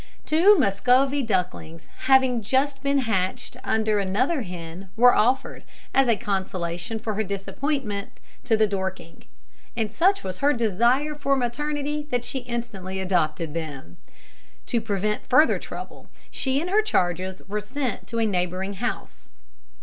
Two Muscovy ducklings having just been hatched under another hen, they were offered, as a consolation for her disappointment, to the Dorking; and such was her desire for maternity that she instantly adopted them. To prevent further trouble, she and her charges were sent to a neighbouring house.